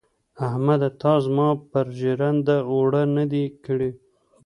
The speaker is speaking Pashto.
احمده تا زما پر ژرنده اوړه نه دې کړي.